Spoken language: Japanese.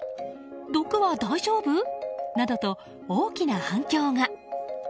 毒は大丈夫？などと大きな反響が。